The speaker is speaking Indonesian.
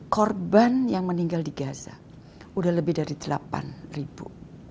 korban yang meninggal di gaza sudah lebih dari delapan ribu